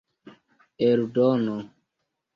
eldono